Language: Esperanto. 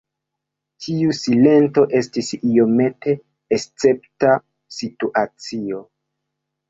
Tiu silento estis iomete escepta situacio.